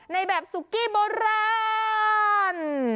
ในแบบสุกิโบราณ